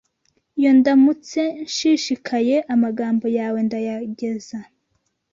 Iyo ndamutse nshishikaye amagambo yawe ndayageza